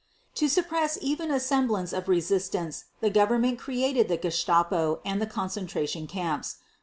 To suppress even a semblance of resistance the Government created the Gestapo and the concentration camps.